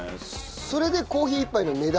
それでコーヒー１杯の値段って事？